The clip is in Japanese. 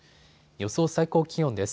予想最高気温です。